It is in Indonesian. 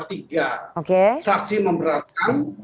tiga saksi memberatkan